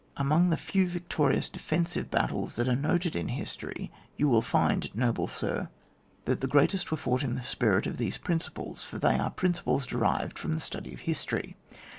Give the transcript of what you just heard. Among the few victorious defensive battles that are noted in history, you will find, noble sir, that the greatest were fought in the spirit of these principles, for they are principles derived from the study of history.